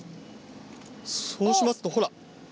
そうしますとほら。